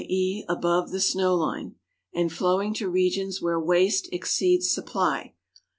e., above the snow line, and flowing to regions where waste exceeds supply